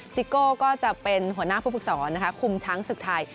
ซิโก้ก็จะเป็นหัวหน้าผู้ฝึกศรคุมช้างศึกไทย